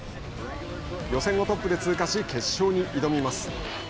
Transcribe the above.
予選をトップで通過し決勝に挑みます。